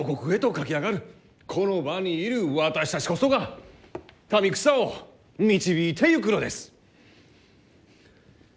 この場にいる私たちこそが民草を導いていくのです！